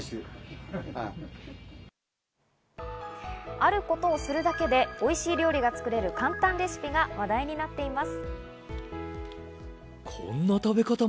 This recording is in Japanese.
あることをするだけでおいしい料理が作れる簡単レシピが話題になっています。